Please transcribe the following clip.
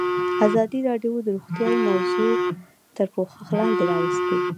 ازادي راډیو د روغتیا موضوع تر پوښښ لاندې راوستې.